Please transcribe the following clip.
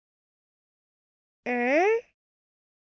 うん？